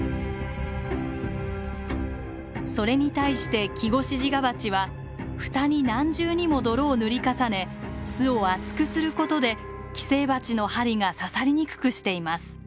それに対してキゴシジガバチは蓋に何重にも泥を塗り重ね巣を厚くすることで寄生バチの針が刺さりにくくしています。